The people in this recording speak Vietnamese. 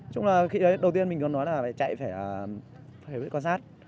chúng là khi đầu tiên mình nói là chạy phải biết quan sát